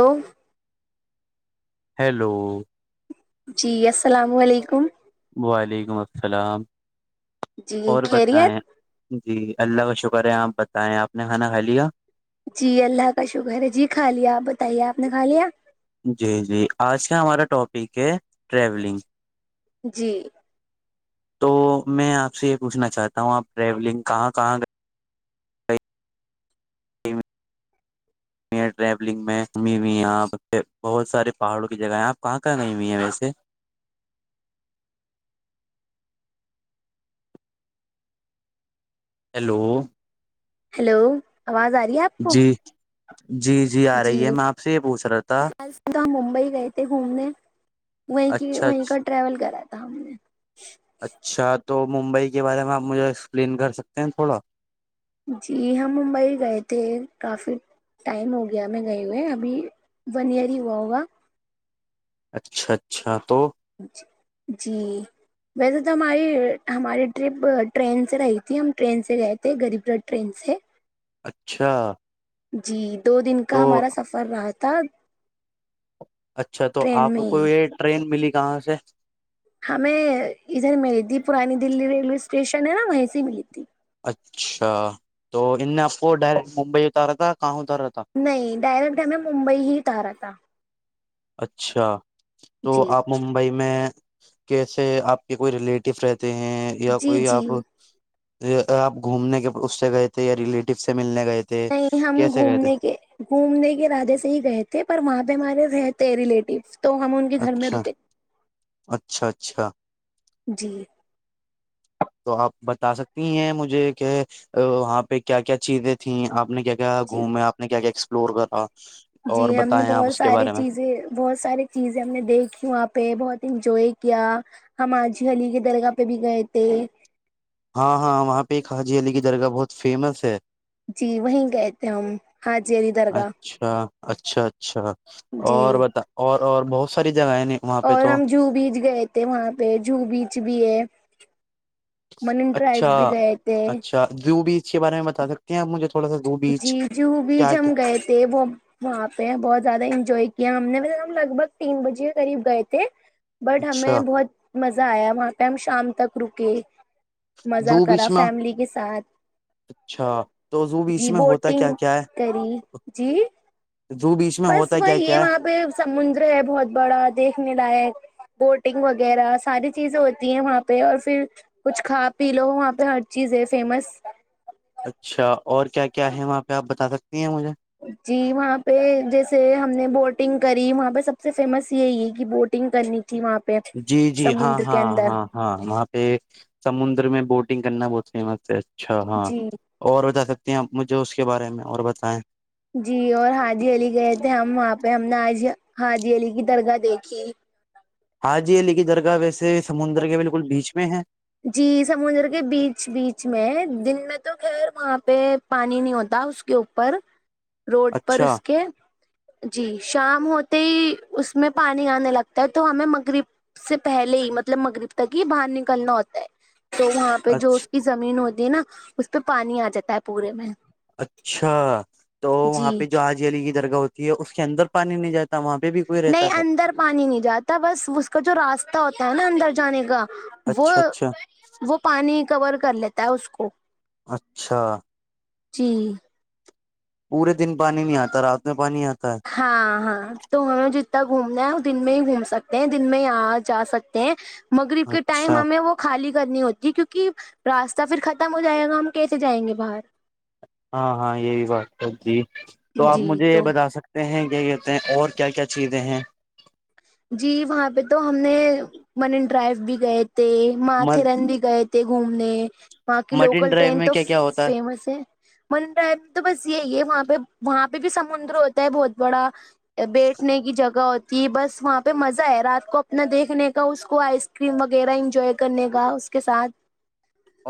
hello hello جی السلام علیکم وعلیکم السلام جی اور خیریت بتائیں جی اللہ کا شکر ہے آپ بتائیں آپ نے کھانا کھا لیا جی اللہ کا شکر ہے جی کھا لیا آپ بتائیے آپ نے کھا لیا جی جی آج کا ہمارا ٹاپک ہے ٹریولنگ جی تو میں آپ سے یہ پوچھنا چاہتا ہوں آپ ٹریولنگ کہاں کہاں گئے ہوئی ٹریولنگ میں ہمیں بھی بہت سارے پہاڑوں کی جگہ ہیں آپ کہاں کہاں گئی یوئی ہیں ویسے ہیلو ہلو آواز آ رہی ہے آپ کو جی جی جی آ رہی ہے میں آپ سے یہ پوچھ رہا تھا تو ہم ممبئی گئے تھے گھومنے وہیں کی اچھا وہیں اچھا کا ٹریول کرا تھا ہم نے اچھا تو ممبئی کے بارے میں آپ مجھے ایکسپلین کر سکتے ہیں تھوڑا جی ہم ممبئی گئے تھے کافی ٹائم ہو گیا ہم گئے ہوئے ابھی ون ایئر ہی ہوا ہوگا اچھا اچھا تو جی ویسے تو ہماری ہماری ٹرپ ٹرین سے رہی تھی ہم ٹرین سے گئے تھے غریب رھ ٹرین سے اچھا جی دو دن تو کا ہمارا سفر رہا تھا تب اچھا تو آپ کو یہ ٹرین ملی کہاں سے ہمیں ادھر ملی تھی پرانی دلی ریلوے اسٹیشن ہے نا وہیں سے ملی تھی اچھا تو ان نے آپ کو ڈائریکٹ ممبئی اتارا تھا کہاں اتارا تھا نہیں ڈائریکٹ ہمیں ممبئی ہی اٹ رہا تھا اچھا تو جی آپ ممبئی میں کیسے آپ کے کوئی ریلیٹیو رہتے ہیں یا جی کوئی جی آپ آپ گھومنے کے اس سے گئے تھے یا ریلیٹیو سے ملنے گئے تھے نہیں ہم کیسے گئے تھے گھومنے کے گھومنے کے ارادے سے ہی گئے تھے پر وہاں پہ بیمارے رہتے ریلیٹیو تو ہم ان کے گھر میں اچھا رکے اچھا اچھا جی تو آپ بتا سکتی ہیں مجھے کہ وہاں پہ کیا کیا چیزیں تھیں آپ نے کیا کیا جی گھوم ہے آپ نے کیا فلورگر آ جی ہم نے بہت ساری چیزیں بہت ساری چیزیں ہم نے دیکھیھی وہاں پہ بہت انجوائے کیا ہم آاجی علی کے درگاہ پہ بھی گئے تھے ہاں ہاں وہاں پہ ایک حاجی علی کی درگاہ بہت فیمس ہے جی وہیں گئے تھے ہم حاجی عری درگاہ اچھا اچھا اچھا جی اور بتا اور اور بہت ساری جگہیں نے وہاں پہ اور تو ہم جوہ بیچ گئے تھے وہاں پہ جوہو بیچ بھی ہے مرین اچھا ڈرائیو بھی گئے تھے اچھا زو بیچ اس بارے میں بتا سکتے ہیں آپجھے جی جوہ بیچ ہم گئے تھے وہ وہاں پہ بہت زیادہ انجوائے کیا ہم نے ہم لگ بھگ تین بجے قریب گئے تھے بٹ ہمیں اچھا بہت مزہ آیا وہاں پہ ہم شام تک رکے ز مزہ بیچ کرا میں فیملی کے ساتھ اچھا تو زو بیچ جی میں ہوتا بوٹنگ کیا کیا ہے کری جی زو بیچ میں بس ہوتا وہ کیا یہ کیا ہے وہاں پہ سمندر ہے بہت بڑا دیکھنے لائق بوٹنگ وغیرہ ساری چیزیں ہوتی ہیں وہاں پہ اور پھر کچھ کھا پی لو وہاں پہ ہر چیز ہے فیمس اچھا اور کیا کیا ہے وہاں پہ آپ بتا سکتے جی وہاں پہ جیسے ہم نے بوٹنگ کری وہاں پہ سب سے فیمس یہی کہ بوٹنگ کرنی تھی وہاں پہ جی جی ہاں سمندر کے ہاں اندر ہاں ہاں وہاں پہ سمندر میں بوٹنگ گننا بہت فیمس ہے اچھا ہاں جی اور بتا سکتے پ مجھے اس کے بارے میں اور بتائیں جی اور حاجی علی گئے تھے ہم وہاں پہ ہم نے آج حاجی علی کی درگاہ دیکھی حاجی لی گ درگاوے سے جی سمندر کے بیچ بیچ میں دن میں تو خیر وہاں پہ پانی نہیں ہوتا اس کے اوپر روڈ پر اچھا اس کے جی شام ہوتے ہی اس میں پانی آنے لگتا ہے تو ہمیں مغرب سے پہلے ہی ملب مطلب مغرب تک ہی باہر نکلنا ہوتا ہے تو وہاں پہ جو اچھا اس کی زمین ہوتی ہے نا اس پہ پانی آ جاتا ہے پورے میں اچھا تو جی وہاں پہ جو آج علی کی درگاہ ہوتی ہے اس کے اندر پانی نہیں جاتی نہیں اندر پانی نہیں جاتا بس اس کا جو راستہ ہوتا ہے ا اندر جانے گا وہ اچھا اچھا وہ پانی کور کر لیتا ہے اس کو اچھا جی پورے دن پانی نہیں آتا رات میں پانی آتا ہے ہاں ہاں تو ہمیں جتنا گھومنا ہے دن میں ہی گھوم سکتے ہیں دن میں آ جا سکتے ہیں مغرب کے اچھا ٹائم ہمیں وہ خالی کرنی ہوتی ہے کیونکہ کہ راستہ پھر ختم ہو جائے گا ہم کیسے جائیں گے باہر ہاں ہاں یہ بھی بات ہے جی تو آپ جی مجھے یہ تو بتا سکتے ہیں کہتے ہیں اور کیا کیا چیزیں ہیں جی وہاں پہ تو ہم نے منن ڈرائیو بھی گئے تھے ت مات تھرن بھی گئے گھومنے باںق مرٹین لوکل ڈرائیو ٹرین میں تو کیا کیا ہوتا فیمس ہے منرائی میں تو بس یہی ہے وہاں پہ وہاں پہ بھی سمندر ہوتا ہے بہت بڑا بیٹھنے کی جگہ ہوتی جی بس وہاں پہ مزہ ہے رات کو اپنا دیکھنے کا اس کو آئس کریم وغیرہ انجوائے کرنے کا اس کے ساتھ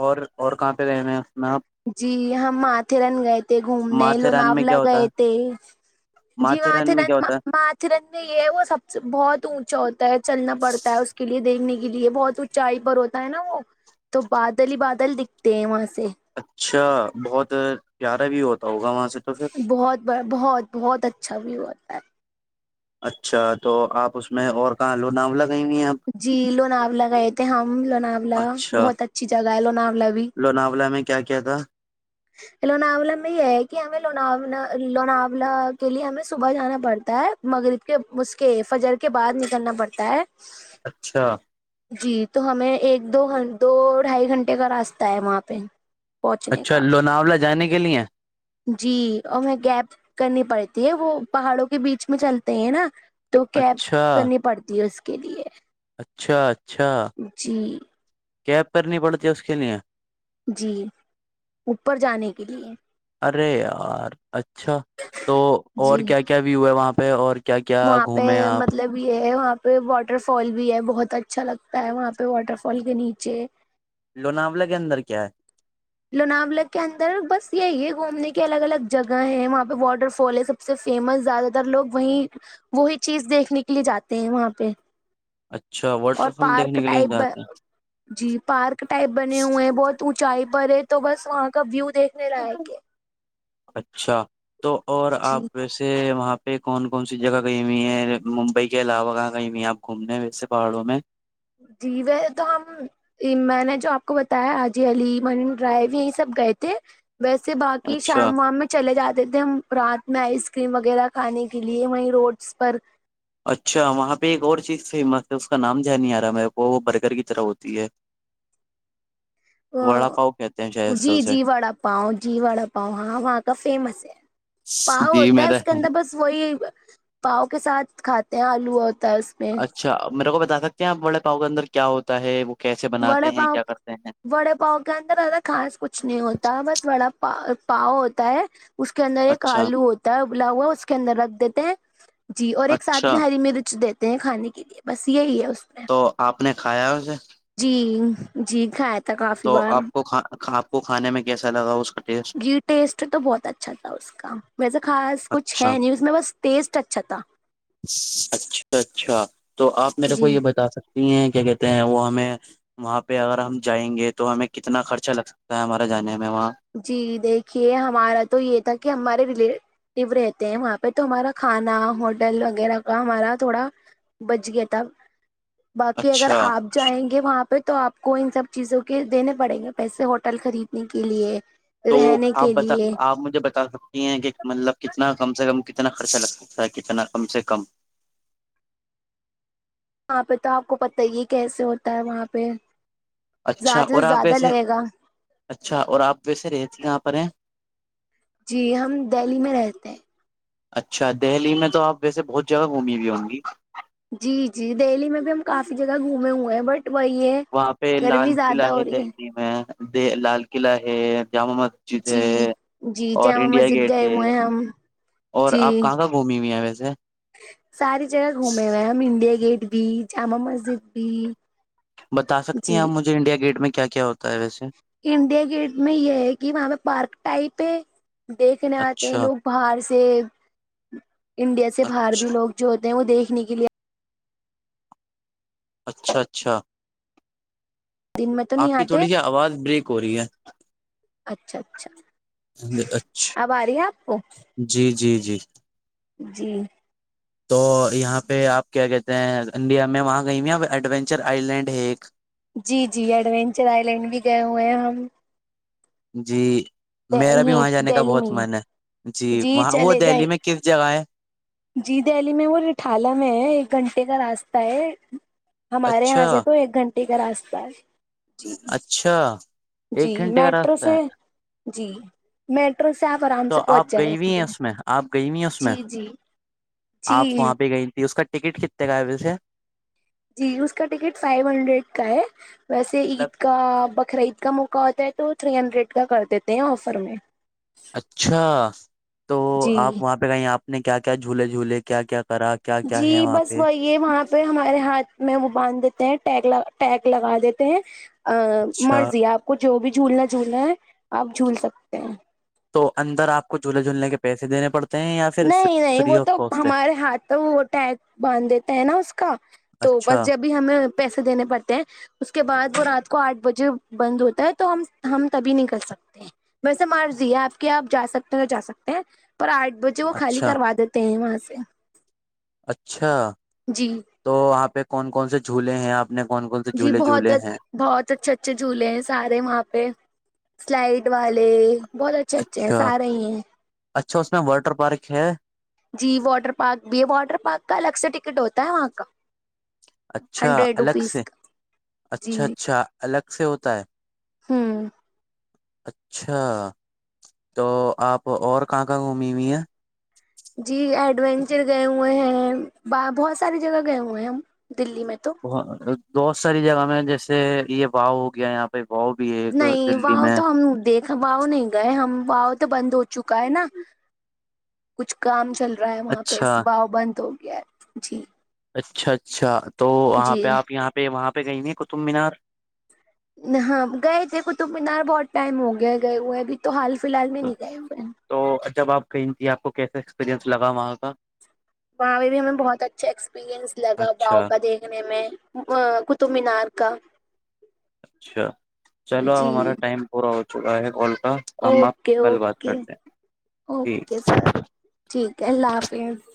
اور اور کہاں پہ رہے ہیں آپ میں جی ہم ماتےرن گئے تھ تھ گھومنے ماتھیران میں لوناولا کیا ہوتا گئے ہے تھے جی ماتھیران میں کیا من ہوتا ہے ماترن میں یہ وہ سب سے بہت اونچا ہوتا ہے چلنا پڑتا ہے اس کے لیے دیکھنے کے کے لیے بہت اونچائی پر ہوتا ہے نا وہ تو بادل ہی بادل دکھتے ہیں وہاں سے اچھا بہت پیارا بھی ہوتا ہوگا وہاں سے تو پھر بہت بڑھیا بہت بہت اچھا ہوا ہے آ اچھا تو آپ اس میں اور کہاں لوناولا گئی ہوئی ہیں آپ جی لوناولا گئے تھے ہم لوناولا اچھا بہت اچھی جگہ ہے لوناولا بھی لوناولا میں کیا کیا تھا لوناولا میں یہ ہے کہ ہمیں لوناولا لوناولا کے لیے ہمیں صبح جانا پڑتا ہے مغگرب کے اس کے فجر کے بعد نکلنا پڑتا ہے اچھا جی تو ہمیں ایک دو دو ڈھائی گھنٹے کا راستہ ہے وہاں پہ پہنچنے اچھا کا لوناولا جانے کی کے لیے ہیں جی اور وہ کیب کرنی پڑتی ہے وہ پہاڑوں کے بیچ میں چلتے ہیں نا تو کیب اچھا کرنی پڑتی ہے اس کے لیے اچھا اچھا جی کیب کرنی پڑتی ہے اس کے لیے جی اوپر جانے کے لیے ارے یار اچھا تو اور جی کیا کیا ویو ہے وہاں پہ اور کیا کیا وہاں پہ گھومے آپ مطلب یہ ہے وہاں پہ واٹر فال بھی ہے بہت اچھا اچھا لگتا ہے وہاں پہ واٹر فال کے نیچے لوناولا کے اندر کیا ہے لوناول کے اندر بس یہی گھومنے کے الگ الگ جگہ ہیں وہاں پہ واٹر فال ہے سب سے فیمس زیادہ تر لوگ وہیں وہی چیز دیکھنے کے لیے جاتے ہیں وہاں پہ اچھا اور واٹر فال پارک دیکھنے کے لیے ٹائپ جاتے ہیں جی پارک ٹائپ بنے ہوئے ہیں بہت اونچائی پر یہ تو بس وہاں کا ویو دیکھنے لایک ہے اچھا تو اور جی آپ ویسے وہاں یہاں پہ کون کون سی جگہ کہیں ہوئی ہے ممبئی کے علاوہ کہاں گئی ہوئی ہیں آپ گھومنے ویسے پہاڑوں میں جی ویسے تو ہم میں نے جو آپ کو بتایا حاجی علی منی ڈرائیو یہیں سب گئے تھے ویسے باقی اچھا شام وام میں چلے جاتے تھے ہم رات میں آئس کریم وغیرہ کھانے کے لیے وہیں روڈس پر اچھا وہاں پہ ایک اور چیز فیمس ہے اس کا نام یاد نہیں آ رہا ہے میرے کو وہ برگر کی طرح ہوتی ہے وڑا پاؤ کہتے ہیں شاید سے جی اسے جی وڑا پاؤ جی وڑا پاؤ ہاں وہاں کا فیمس ہے پاؤ جی ہوتا ہے میرا اس کے اندر بس وہی پاؤ کے ساتھ کھاتے ہیں آلو اور تاس میں اچھا میرے کو بتانا کیا وڑا پاؤ کےاندر کیا ہوتا ہے وہ کیسے وڑے بناتے ہیں پاؤں کیا کرتے ہیں وڑے پاؤ کے اندر زدا خاس کچھ نہیں ہوتا بس وڑا پاؤ پاؤ ہوتا ہے اس کے اندر ایک اچھا آلو ہوتا ہے بلا ہوا اس کے اندر رکھ دیتے ہیں جی اور ایک ساتھ میں اچھا ہری مرچ د ہیں کھانے کے لیے بس یہی ہے اس میں تو آپ نے کھایا ہوس جی جی گات تو آپ کو آپ کو کھانے میں کیسا لگا اس کا ٹیسٹ جی ویسا خاص کچھ اچھا ہے نہیں اس میں بس تٹیزٹ اچھا تھا اچھا اچھا تو آپ میرے کو جی یہ بتا سکتی ہیں کیا کہتے ہیں وہ ہمیں وہاں پہ اگر ہم جائیں گے تو ہمیں کتنا خرچہ لگ سکتا ہے ہمارے جانے میں وہاں جی دیکھیے ہمارا تو یہ تھا کہ ہمارے ر ٹیب رہتے ہیں وہاں پہ تو ہمارا کھانا ہوٹل وغیرہ کا ہمارا تھوڑا بچ گیا تھا باقی اگر اچھا آپ جائیں گے وہاں پہ پ تو آپ کو ان سب چیزوں کے دینے پڑیں گے پیسے ہوٹل خریدنے کے لیے تو رہنے آپ کے بتا لیے آپ مجھے بتا سکتی ہیں کہ مطلب کتنا کم سے کم ک کتنا خرچہ لگ سکتا ہے کتنا کم سے کم وہاں پہ تو آپ کو پتہ ہی کیسے ہوتا ہے وہاں پہ اچھا زیادہ سے اور آپ زیادہ ویسے لگے گا اچھا اور آپ ویسے رہتی کہاں پر ہیں جی ہم دہلی میں رہتے ہیں اچھا دہلی میں تو آپ ویسے بہت جگہ گھومی ہوئی ہوں گی جی جی دہلی میں بھی ہم کافی جگہ گھومے ہوئے ہیں بٹ وہی ہے وہاں پہ لال گرمی زیادہ قلعہ ہے ہو رہی دہلی میں دی لال قلع ہے جامع مسجد جی ہے جی اور جامع انڈیا مسجد گیٹ گئے ہے ہوئے ہیں ہم اور جی آپ کہاں کہاں گھمی ہوئی ہیں ویسے ساری جگہ گھومے ہوئے ہیں ہم انڈیا گیٹ بھی تی بتا سکتی ہیں جی آپ مجھے انڈیا گیٹ میں کیا کیا ہوتا ہے ویسے انڈیا گیٹ میں یہ ہے کہ وہاں پہ پارک ٹائپ ہے دیکھنے آتے ہیں اچھا لوگ باہر سے سے انڈیا سے باہر بھی لوگ جو دیکھنے کے لیے اچھا اچھا دن میں تو اپ نہیں کی آتے تھوڑی سی اواز بریک ہو رہی ہے اچھا اچھا اب آ رہی ہے آپ کو جی جی تو یہاں پہ اپ کیا کہتے ہیں انڈیا میں وہاں گئی ہیں یہاں پہ ایڈونچر ائیلینڈ ہے ایک جی جی ایڈونچر ائیلینڈ بھی گئے ہوئے ہیں ہم جی میرا بھی یہی وہاں جانے کا ڈیلی میں بہت ہی من ہے جی وہاں وہ چلے دہلی جائیں میں کس جگہ ہے جی دہلی میں وہ رٹھالہ میں ہے ایک گھنٹے کا راستہ تا ہے ہمارے یہاں اچھا سے تو ایک گھنٹے کا راستہ ہے جی اچھا جی ایک گھنٹے کا میٹرو راستہ سے ہے جی میٹرو سے آپ آرام تو سے آپ پہنچ جائیں گئی ہوئی ہیں گے اس میں آپ گئی ہوئی ہیں اس میں جی جی آپ جی وہاں پہ گئی تھی اس کا ٹکٹ کتنے کا ہے ویسے جی اس کا ٹکٹ فائف ہنڈرنڈ کا ہے ویسے عید کا بکرا عید کا موقع ہوتا ہے تو تھری ہنڈرنڈ کا کر دیتے ہیں افر میں اچھا تو جی آپ وہ پے گیا اپ کی کے جلا وہ اپ نہ بھی وہی ہمارے ہاتھ پہ وہاں باندھ دیتے ہیں ٹیگ لگا دیتے ہیں اچھا [unintelligible] جو بھی جھولنا ہے اپ جول سکتے ہو اندر اپ کو جھولا جولنے کے پیسے دینے پڑتے ہیں یا پھر نہی نہی فری و آف تو کاسٹ ہے ہمارا ہاتھ پے و تگ بند دیتا گا نہ پھر اچھا رات کو پیسہ دینا پڑتا ہے مجا بند ہوتا ہم تب ہے نکل سکتا ہے [inaudible] کیوں خالہ اچھا کر و دیتا ہو اپ اچھا جی تو آپ کون کوں سو اسٹوڈنٹ [inaudible] یہ بوت اچھا اچھا جلا حا وہ پے لائٹ والا بہت اچھا اچھا ہے سوراخ ہے حا اچھا اس میں واٹر پارک ہے جی واٹر پارک بھی ہے واٹر پارک کا الگ سے ٹکٹ ہوتا ہے وہاں کا اچھا ہنڈریڈ الگ روپیز سے کا اچھا اچھا الگ سے ہوتا ہے ہمم اچھا تو آپ اور کہاں کہاں گھومی ہوئی ہیں جی ایڈوینچر گئے ہوئے ہیں بہت ساری جگہ گئے ہوئے ہیں ہم دلی میں تو بہت ساری جگہ میں جیسے یہ باؤ ہو گیا یہاں پہ واؤ بھی ہے ایک نہیں دلی وہ میں تو ہم دیکھا واؤ نہیں گئے ہم باؤ تو بند ہو چکا ہینا کچھ کام چل رہ وہاں پہ اچھا باؤ بند تو جی اچھا اچھا تو وہاں جی پہ آپ یہاں پہ وہاں پہ پے کہی گی ہوئ ہیں کطب مینار ہاں گئے تھے قطب مینار بہت ٹائم ہو گیا گئے ہوئے ابھی تو حال فی الحال میں نہیں گئے ہوئے ہیں تو جب آپ کہیں تھی آپ کو کیسے ایکسپریئنس لگا وہاں کا وہاں پہ بھی ہمیں بہت اچھا ایکسپیرئنس لگا باؤ اچھا کا دیکھنے میں قطب مینار کا اچھا چلو ا جی ہمارا ٹائم پورا ہو چکا ہے کال کا ہم آپ اوکے کل بات اوکے کرتے ہیں ٹھیک اوکے سر ٹھیک ہے اللہ حافظ